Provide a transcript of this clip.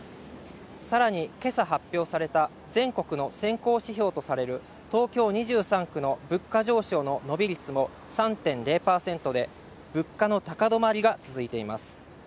更に今朝発表された全国の先行指標とされる東京２３区の物価上昇の伸び率も３．０％で物価の高止まりが続いています